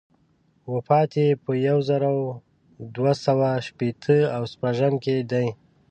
وفات یې په یو زر دوه سوه شپېته و شپږم کې دی.